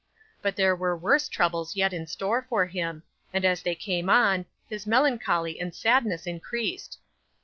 But there were worse troubles yet in store for him, and as they came on, his melancholy and sadness increased.